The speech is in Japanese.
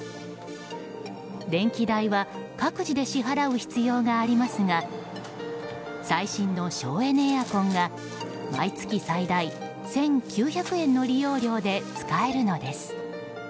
電気代は各自で支払う必要がありますが最新の省エネエアコンが毎月最大１９００円の利用料で使えるのです。